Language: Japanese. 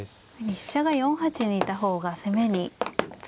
飛車が４八にいた方が攻めに強く利いていますね。